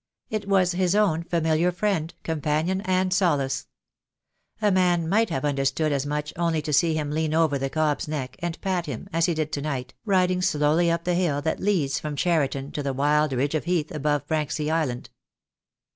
It was his own familiar friend, companion, and solace. A man might have understood as much only to see him lean over the cob's neck, and pat him, as he did to night, riding slowly up the hill that leads from Cheri ton to the wild ridge of heath above Branksea Island.